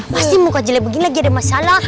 pasti muka jelek begini lagi ada masalah